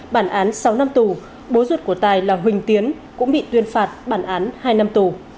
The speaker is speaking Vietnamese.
bản án sáu năm tù bố ruột của tài là huỳnh tiến cũng bị tuyên phạt bản án hai năm tù